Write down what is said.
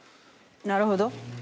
なるほど。